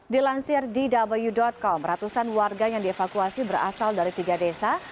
dilansir dw com ratusan warga yang dievakuasi berasal dari tiga desa